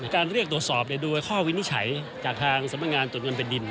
การเรียกโดยสอบด้วยข้อวินิจฉัยจากทางสรรพงศ์งานตรวจเงินไปดิน